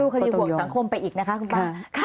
คดีห่วงสังคมไปอีกนะคะคุณป่า